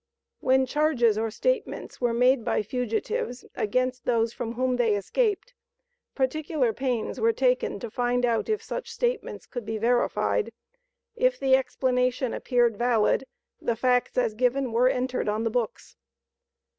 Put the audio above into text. When charges or statements were made by fugitives against those from whom they escaped, particular pains were taken to find out if such statements could be verified; if the explanation appeared valid, the facts as given were entered on the books.